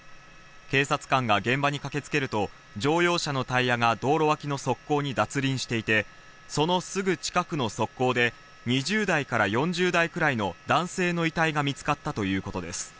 警察官が現場に駆けつけると、乗用車のタイヤが道路脇の側溝に脱輪していて、そのすぐ近くの側溝で２０代から４０代くらいの男性の遺体が見つかったということです。